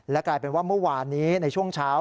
กลายเป็นว่าเมื่อวานนี้ในช่วงเช้า